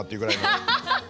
アハハハハ！